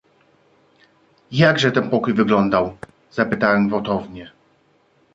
"„Jakże ten pokój wyglądał“ zapytałem gwałtownie."